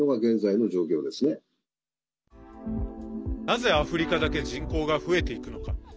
なぜ、アフリカだけ人口が増えていくのか。